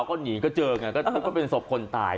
ก็หนีก็เจอกันก็เป็นศพคนตาย